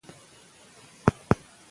که شبکه ډکه شي ماشینونه به بند شي.